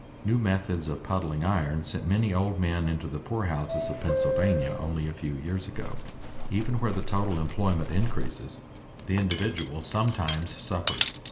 New methods of puddling iron sent many old men into the poorhouses of Pennsylvania only a few years ago. Even where the total employment increases, the individual sometimes suffers.